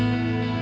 oke sampai jumpa